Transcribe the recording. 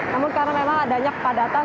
namun karena memang adanya kepadatan